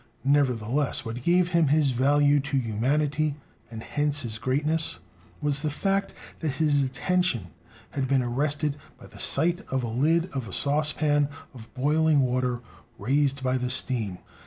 Nevertheless, what gave him his value to humanity, and hence his greatness, was the fact that his attention had been arrested by the sight of the lid of a saucepan of boiling water raised by the steam.